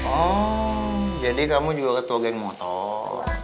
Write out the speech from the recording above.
oh jadi kamu juga ketua geng motor